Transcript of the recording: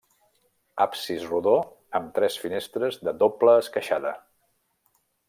Absis rodó amb tres finestres de doble esqueixada.